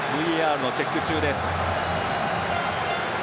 ＶＡＲのチェック中です。